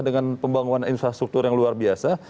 dengan pembangunan infrastruktur yang luar biasa